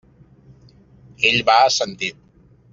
Ell va assentir.